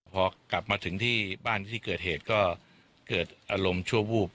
พอกลับมาถึงที่บ้านที่เกิดเหตุก็เกิดอารมณ์ชั่ววูบ